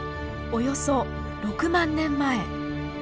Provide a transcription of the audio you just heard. およそ６万年前。